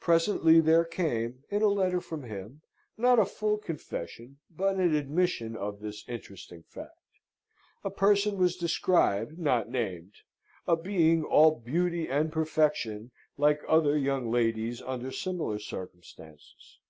Presently there came, in a letter from him, not a full confession but an admission of this interesting fact. A person was described, not named a Being all beauty and perfection, like other young ladies under similar circumstances.